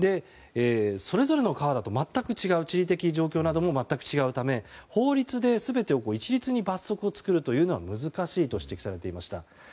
それぞれの川だと地理的状況も全く違うため法律で全て一律に罰則を作るのは難しいと指摘されていました。